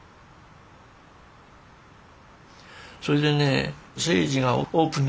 それでね征爾がオープンな感じ。